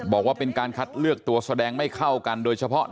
บอกว่าเป็นการคัดเลือกตัวแสดงไม่เข้ากันโดยเฉพาะ